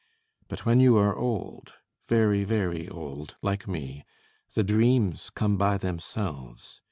But when you are old: very very old, like me, the dreams come by themselves.